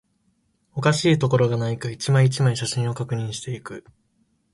おかしいところがないか、一枚、一枚、写真を確認していく